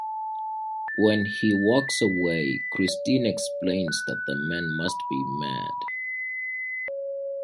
When he walks away, Christine explains that the man must be mad.